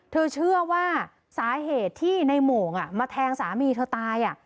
เธอเชื่อว่าสาเหตุที่ในโมงมาแทงสามีเธอตาย